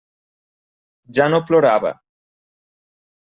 Ja no plorava.